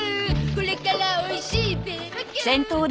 これからおいしいベーバキュー！